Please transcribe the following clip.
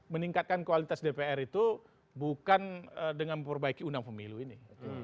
meningkatkan kualitas dpr itu bukan dengan memperbaiki undang pemilu ini